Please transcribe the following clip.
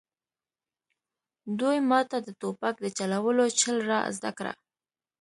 دوی ماته د ټوپک د چلولو چل را زده کړ